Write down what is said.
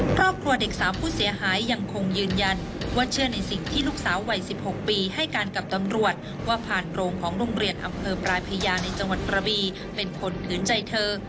ครอบครัวเด็ก๓ผู้เสียหายยังคงยืนยันว่าเชื่อในสิ่งที่ลูกสาววัย๑๖ปีให้การกับตำรวจว่าผ่านโรงของโรงเรียนอำเภอปลายพญาในจังหวัดกระบีเป็นคนขืนใจเธอ